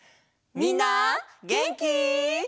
みんなげんき？